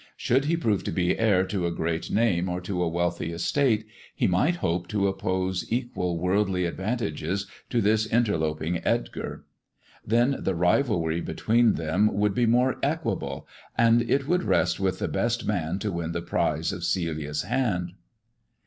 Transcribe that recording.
Should he prove to be heir to a great name or to a wealthy estate, he might hope to oppose equal worldly advantages to this interloping Edgar. Then the rivalry between them would be more equable, and it would rest with the best man to win the prize of Celia's hand.